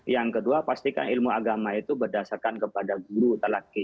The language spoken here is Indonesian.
yang kedua pastikan ilmu agama itu berdasarkan kepada guru telaki